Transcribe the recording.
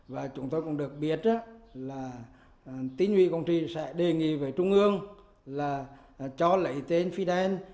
và chúng tôi cũng được biết là tinh ủy quảng trị sẽ đề nghị với trung ương là cho lấy tên fidel